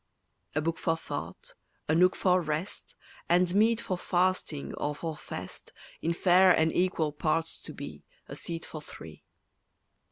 A book for thought, a nook for rest, And meet for fasting or for fest, In fair and equal parts to be A seat for three.